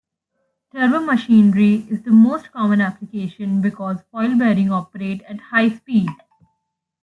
Turbomachinery is the most common application because foil bearings operate at high speed.